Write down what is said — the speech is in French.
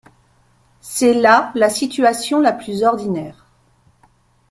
C'est là la situation la plus ordinaire.